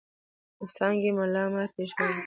څانګي ملا ماتي د ژړو ګلو